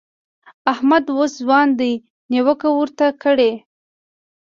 احمد اوس ځوان دی؛ نيوکه ورته کړئ.